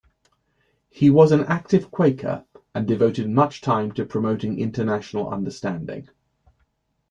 He was an active Quaker and devoted much time to promoting international understanding.